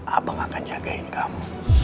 abang akan jagain kamu